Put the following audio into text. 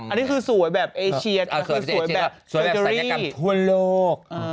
อันนี้คือสวยแบบเอเชียอันนี้คือสวยแบบสวยแบบศัลยกรรมทั่วโลก